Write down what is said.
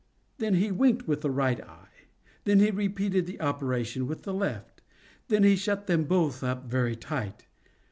Then he winked with the right eye. Then he repeated the operation with the left. Then he shut them both up very tight.